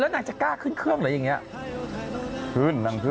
แล้วนั่งจะก้าขึ้นเครื่องหรือยังเนี้ย